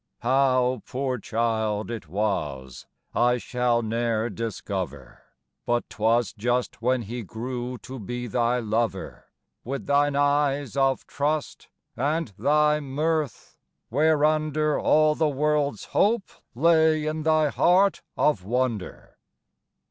How, poor child, it was I shall ne'er discover, But 'twas just when he Grew to be thy lover, With thine eyes of trust And thy mirth, whereunder All the world's hope lay In thy heart of wonder.